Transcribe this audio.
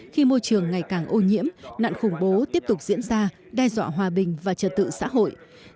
khi môi trường ngày càng ô nhiễm nạn khủng bố tiếp tục diễn ra đe dọa hòa bình và trật tự xã hội